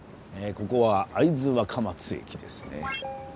ここは会津若松駅ですね。